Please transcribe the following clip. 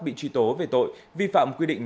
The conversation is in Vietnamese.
bị truy tố về tội vi phạm quy định